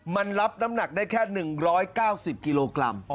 มันรับน้ำหนักได้แค่๑๙๐กิโลกรัม